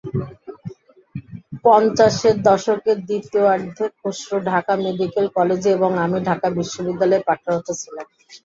পঞ্চাশের দশকের দ্বিতীয়ার্ধে খসরু ঢাকা মেডিকেল কলেজে এবং আমি ঢাকা বিশ্ববিদ্যালয়ে পাঠরত ছিলাম।